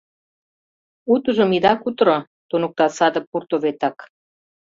Утыжым ида кутыро, — туныкта саде Пуртоветак.